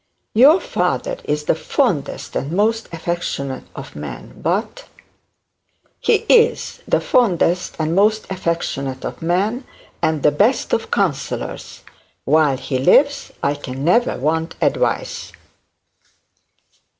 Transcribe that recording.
'Your father is the fondest and most affectionate of men. But ' 'He is the fondest and most affectionate of men, and the best of counsellors. While he lives I can never want advice.'